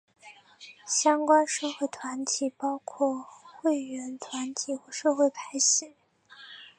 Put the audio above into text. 相关社会团体包括会员团体或社会派系。